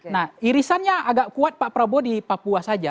nah irisannya agak kuat pak prabowo di papua saja